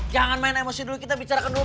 jangan main emosi dulu kita bicarakan dulu